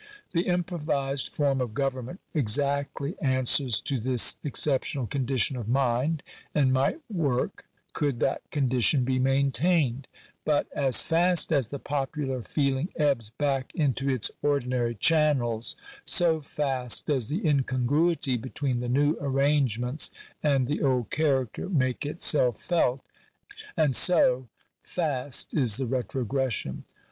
The improvised form of government exactly answers to this excep tional condition of mind, and might work could that condition be maintained; but as fast as the popular feeling ebbs back into its ordinary channels, so fast does the incongruity between the new arrangements and the old character make itself felt ; and so fast is the retrogression.